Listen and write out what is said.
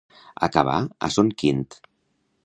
Acabar a Son Quint.